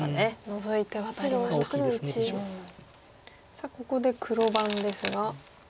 さあここで黒番ですが。